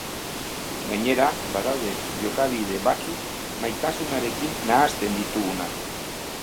Gainera, badaude jokabide batzuk maitasunarekin nahasten ditugunak.